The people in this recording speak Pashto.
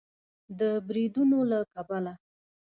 د بریدونو له کبله